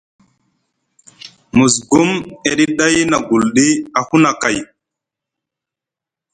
Musgum e ɗi ɗay na agulɗi a huna kai.